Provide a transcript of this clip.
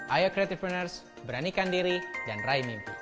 ayo creative partners beranikan diri dan raih mimpi